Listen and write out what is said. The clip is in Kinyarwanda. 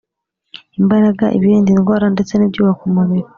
imbaraga, ibirinda indwara, ndetse n’ibyubaka umubiri